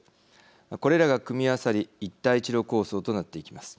これらが組み合わさり一帯一路構想となっていきます。